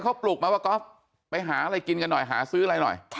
ขอปลูกมาว่ากอปไปหาอะไรกินกันหน่อยหาซื้ออะไรหน่อยแค่